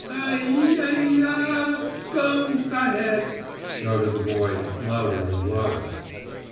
"Ai yai ya a! Scum, fatheads!" shouted the boy, louder and louder.